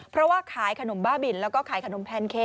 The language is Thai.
เพราะว่าขายขนมบ้าบินแล้วก็ขายขนมแพนเค้